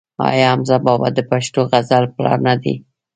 آیا حمزه بابا د پښتو غزل پلار نه دی؟